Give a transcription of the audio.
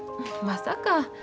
まさか。